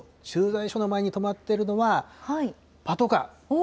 駐在所の前に止まっているのはパトカー。